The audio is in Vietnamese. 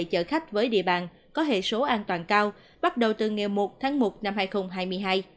chở khách với địa bàn có hệ số an toàn cao bắt đầu từ ngày một tháng một năm hai nghìn hai mươi hai